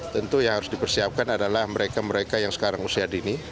tentu yang harus dipersiapkan adalah mereka mereka yang sekarang usia dini